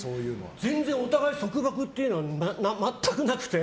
全然、お互い束縛というのは全くなくて。